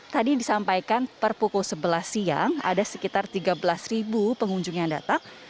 tadi disampaikan per pukul sebelas siang ada sekitar tiga belas pengunjung yang datang